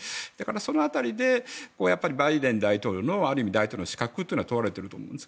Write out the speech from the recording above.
その辺りで、バイデン大統領のある意味、大統領の資格は問われていると思います。